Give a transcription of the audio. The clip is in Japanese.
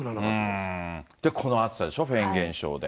で、この暑さでしょ、フェーン現象で。